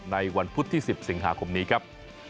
ในวันพุธที่๑๐สิงหาคมนี้ครับ